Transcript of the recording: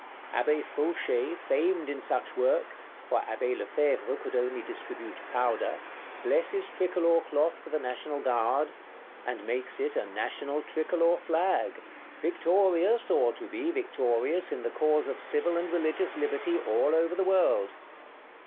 Abbé Fauchet, famed in such work (for Abbé Lefevre could only distribute powder) blesses tricolor cloth for the National Guard; and makes it a National Tricolor Flag; victorious, or to be victorious, in the cause of civil and religious liberty all over the world.